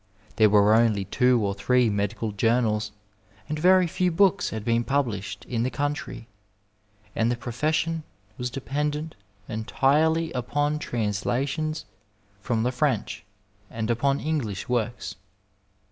There were only two or three medical journals, and very few books had been published in the country, and the profession was dependent entirely upon translations from the French and upon English works.